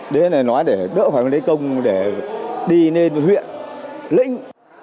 đấy là nói để đỡ phải lấy công để đi lên huyện lĩnh